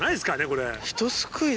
これ。